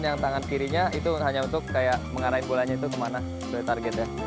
yang tangan kirinya itu hanya untuk kayak mengarahin bolanya itu kemana dari target ya